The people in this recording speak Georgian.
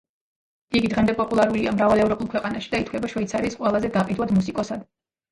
იგი დღემდე პოპულარულია მრავალ ევროპულ ქვეყანაში და ითვლება შვეიცარიის ყველაზე გაყიდვად მუსიკოსად.